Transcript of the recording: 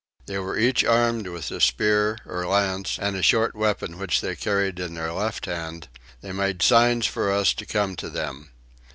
They were each armed with a spear or lance and a short weapon which they carried in their left hand: they made signs for us to come to them.